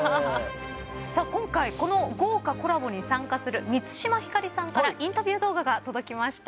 今回この豪華コラボに参加する満島ひかりさんからインタビュー動画が届きました。